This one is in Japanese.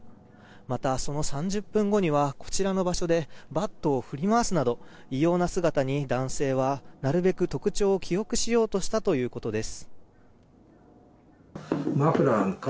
またその３０分後にはこちらの場所でバットを振り回すなど異様な姿に男性はなるべく特徴を記憶しようとしたということです。